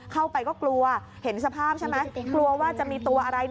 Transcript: เข้าไปก็กลัวเห็นสภาพใช่ไหมกลัวว่าจะมีตัวอะไร